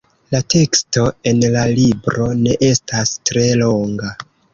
La teksto en la libro ne estas tre longa.